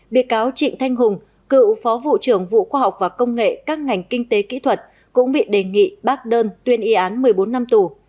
bị cáo trịnh thanh hùng cựu phó vụ trưởng vụ khoa học và công nghệ các ngành kinh tế kỹ thuật cũng bị đề nghị bác đơn tuyên y án một mươi bốn năm tù